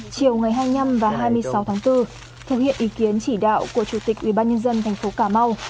chiều ngày hai mươi năm và hai mươi sáu tháng bốn theo hiện ý kiến chỉ đạo của chủ tịch ủy ban nhân dân thành phố cà mau